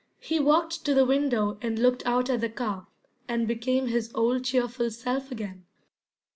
He walked to the window and looked out at the car, and became his old cheerful self again.